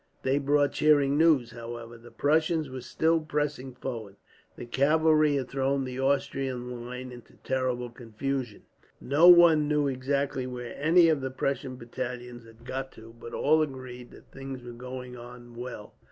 They brought cheering news, however. The Prussians were still pressing forward, the cavalry had thrown the Austrian line into terrible confusion. No one knew exactly where any of the Prussian battalions had got to, but all agreed that things were going on well.